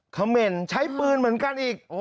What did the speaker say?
เขม่นใช้ปืนเหมือนกันอีก